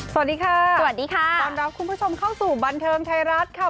สวัสดีค่ะสวัสดีค่ะต้อนรับคุณผู้ชมเข้าสู่บันเทิงไทยรัฐค่ะ